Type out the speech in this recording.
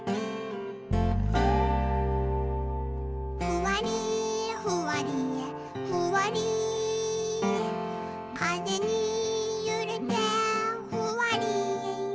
「ふわりふわりふわりかぜにゆれてふわり」